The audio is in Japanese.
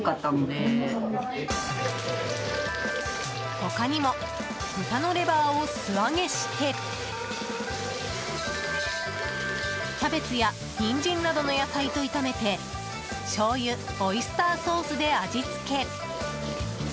他にも豚のレバーを素揚げしてキャベツやニンジンなどの野菜と炒めてしょうゆ、オイスターソースで味付け。